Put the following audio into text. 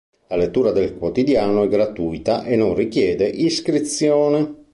La lettura del quotidiano è gratuita e non richiede iscrizione.